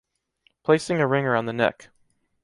Placing a ring around the neck.